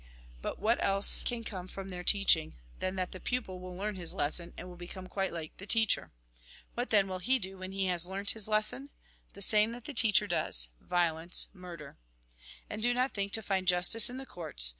But what else can come from their teaching, than that the pupil will learn his lesson, and will become quite like the teacher ? What, then, will he do, when he has learnt his lesson ? The same that the teacher does : violence, murder. And do not think to find justice in the courts.